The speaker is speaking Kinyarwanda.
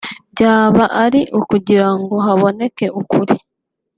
byaba ari ukugira ngo haboneke ukuri